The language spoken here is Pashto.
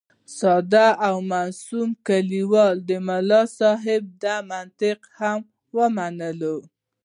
ساده او معصوم کلیوال د ملا صاحب دا منطق هم ومنلو.